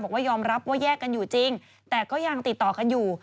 บอกว่ายอมรับว่าแยกกันอยู่จริงแต่ก็ยังติดต่อกันอยู่